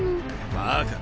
バカ！